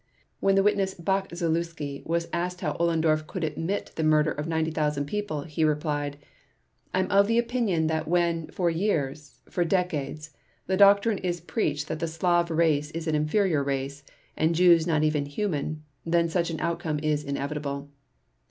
When the witness Bach Zelewski was asked how Ohlendorf could admit the murder of 90,000 people, he replied: "I am of the opinion that when, for years, for decades, the doctrine is preached that the Slav race is an inferior race, and Jews not even human, then such an outcome is inevitable."